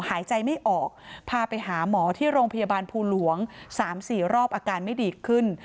หายใจไม่ออกพาไปหาหมอที่โรงพยาบาลภูหลวง๓๔รอบอาการไม่ดีขึ้น